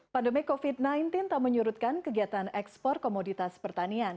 pandemi covid sembilan belas tak menyurutkan kegiatan ekspor komoditas pertanian